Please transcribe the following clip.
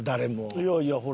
いやいやほら。